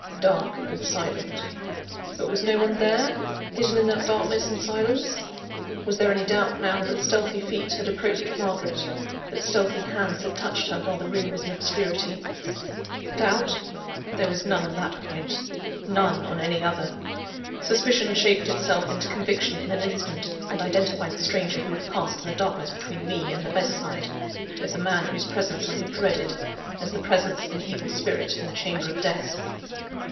Dark and silent. But was no one there, hidden in that darkness and silence? Was there any doubt now, that stealthy feet had approached Margaret, that stealthy hands had touched her, while the room was in obscurity? Doubt? There was none on that point, none on any other. Suspicion shaped itself into conviction in an instant, and identified the stranger who had passed in the darkness between me and the bedside, with the man whose presence I had dreaded, as the presence of an evil spirit in the chamber of death.